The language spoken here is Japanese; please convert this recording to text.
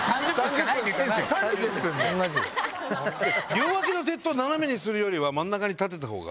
両脇の鉄塔斜めにするより真ん中に建てた方が。